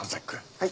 はい。